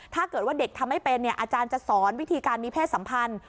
ถ้าเกิดว่าเด็กทำไม่เป็นอาจารย์จะสอนวิธีการมีเพศสัมพันธ์